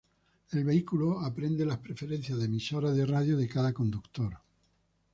El vehículo aprende las preferencias de emisoras de radio de cada conductor.